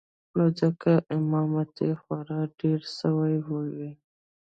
نو ځکه امامتې خورا ډېرې سوې وې.